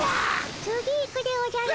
次行くでおじゃる。